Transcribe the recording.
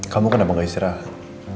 kamu kenapa gak istirahat